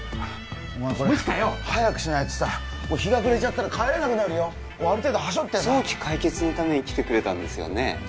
お前これ早くしないとさ日が暮れちゃったら帰れなくなるよある程度はしょってさ早期解決のために来てくれたんですよね？